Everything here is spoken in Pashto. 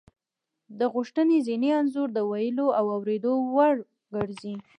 د غوښتنې ذهني انځور د ویلو او اوریدلو وړ ګرځي